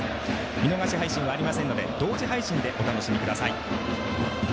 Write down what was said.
見逃し配信はありませんので同時配信でお楽しみください。